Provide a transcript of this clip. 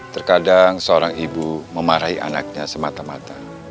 terkadang seorang ibu memarahi anaknya semata mata